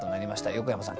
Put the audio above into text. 横山さん